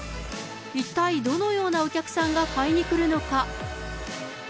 一体どのようなお客さんが買いに来るのか。